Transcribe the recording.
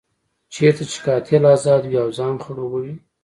چېرته چې قاتل ازاد وي او ځان خړوبوي.